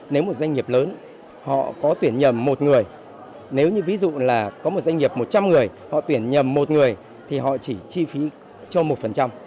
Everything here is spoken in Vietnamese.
nếu một doanh nghiệp lớn họ có tuyển nhầm một người nếu như ví dụ là có một doanh nghiệp một trăm linh người họ tuyển nhầm một người thì họ chỉ chi phí cho một